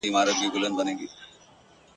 زموږ د معصومو دنګو پېغلو د حیا کلی دی!.